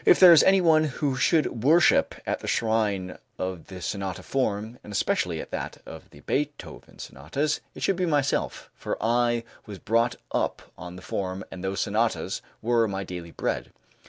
If there is any one who should worship at the shrine of the sonata form, and especially at that of the Beethoven sonatas, it should be myself, for I was brought up on the form and those sonatas were my daily bread.